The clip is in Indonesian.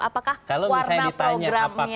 apakah warna programnya